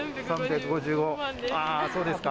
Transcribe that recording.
あー、そうですか。